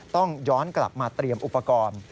ต้องย้อนกลับมาเตรียมอุปกรณ์